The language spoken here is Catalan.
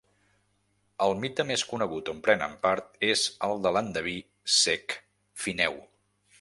El mite més conegut on prenen part és el de l'endeví cec Fineu.